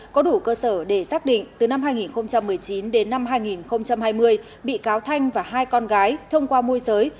có đủ cơ sở để xác định từ năm hai nghìn một mươi chín đến năm hai nghìn hai mươi bị cáo thanh và hai con gái thông qua môi giới